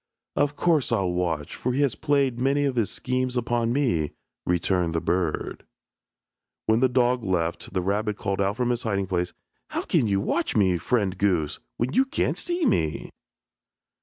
"Of course I'll watch, for he has played many of his schemes upon me," returned the bird. When the dog left, the rabbit called out from his hiding place, "How can you watch, friend goose, when you can't see me?"